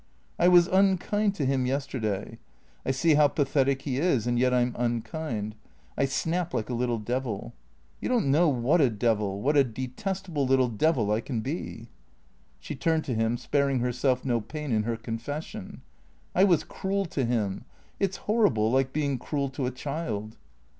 " I was unkind to him yes terday. I see how pathetic he is, and yet I 'm unkind. I snap like a little devil. You don't know what a devil, what a de testable little devil I can be." She turned to him, sparing herself no pain in her confession. " I was cruel to him. It 's horrible, like being cruel to a child."